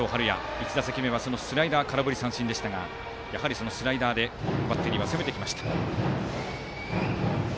１打席目はスライダーを空振り三振でしたがやはり、そのスライダーでバッテリーは攻めてきました。